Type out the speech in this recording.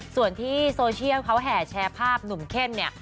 ส่วนที่โซเชียลเขาแห่แชร์ภาพหนุ่มเข้มเนี่ย